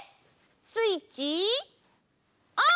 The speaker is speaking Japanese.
スイッチオン！